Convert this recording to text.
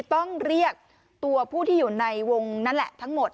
ต้องเรียกตัวผู้ที่อยู่ในวงนั่นแหละทั้งหมด